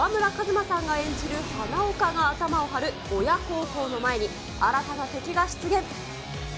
馬さんが演じる花岡が頭をはる鬼邪高校の前に新たな敵が出現。